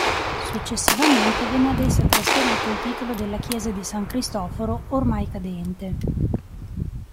Successivamente venne ad essa trasferito il titolo della chiesa di San Cristoforo, ormai cadente.